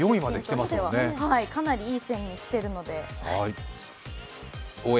かなりいい線にきてますので。